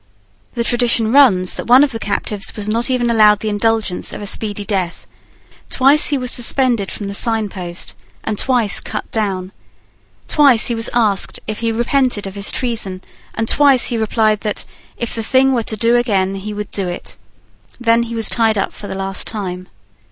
The tradition runs that one of the captives was not even allowed the indulgence of a speedy death. Twice he was suspended from the signpost, and twice cut down. Twice he was asked if he repented of his treason, and twice he replied that, if the thing were to do again, he would do it. Then he was tied up for the last time.